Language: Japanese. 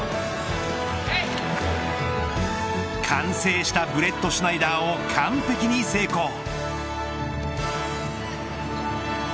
完成したブレットシュナイダーを完璧に成功。